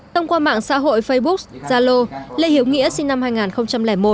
tông qua mạng xã hội facebook zalo lê hiếu nghĩa sinh năm hai nghìn một